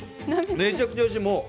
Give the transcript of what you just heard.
めちゃくちゃおいしい。